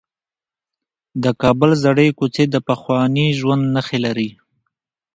د کابل زړې کوڅې د پخواني ژوند نښې لري.